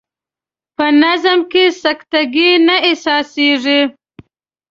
په نظم کې سکته ګي نه احساسیږي.